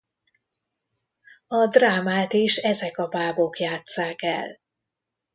A drámát is ezek a bábok játsszák el.